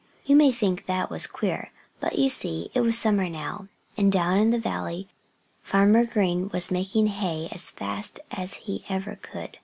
You may think that was queer. But you see, it was summer now. And down in the valley Farmer Green was making hay as fast as ever he could.